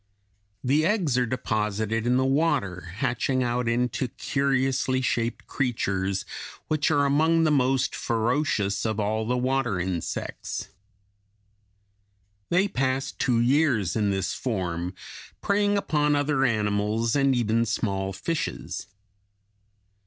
The eggs are deposited in the water, hatching out into curiously shaped creatures (Fig. 185), which are among the most ferocious of all the water insects. They pass two years in this form, preying upon other animals and even small fishes.